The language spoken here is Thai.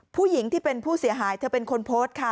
ผู้หญิงที่เป็นผู้เสียหายเธอเป็นคนโพสต์ค่ะ